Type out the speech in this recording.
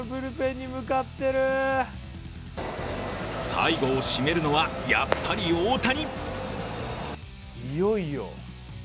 最後を締めるのは、やっぱり大谷。